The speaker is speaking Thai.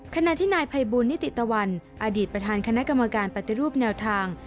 ขณะที่นายภัยบูลนิติตะวันอดีตประธานคณะกรรมการปฏิรูปแนวทาง